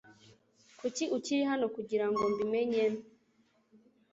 Kuki ukiri hano kugirango mbi menye